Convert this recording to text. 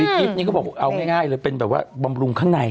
คลิปนี้ก็บอกเอาง่ายเลยเป็นแบบว่าบำรุงข้างใน